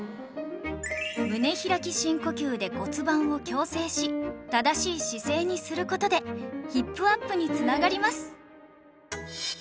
胸開き深呼吸で骨盤を矯正し正しい姿勢にする事でヒップアップに繋がります